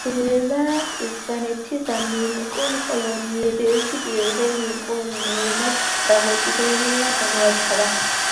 ვენესუელა ესპანეთის ამერიკულ კოლონიებში პირველი იყო რომელმაც დამოუკიდებლობა გამოაცხადა.